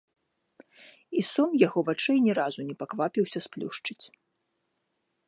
І сон яго вачэй ні разу не паквапіўся сплюшчыць.